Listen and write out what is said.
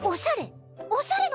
おしゃれ？